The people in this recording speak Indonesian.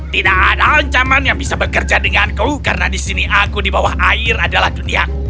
tidak ada ancaman yang bisa bekerja denganku karena di sini aku di bawah air adalah duniaku